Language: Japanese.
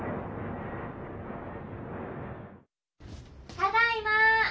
・ただいま！